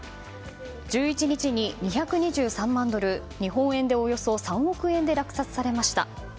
１１日に２２３万ドル日本円でおよそ３億円で落札されました。